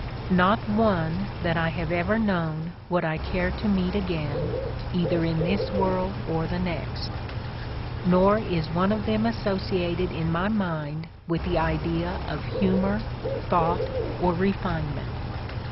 Not one that I have ever known would I care to meet again, either in this world or the next; nor is one of them associated in my mind with the idea of humor, thought or refinement.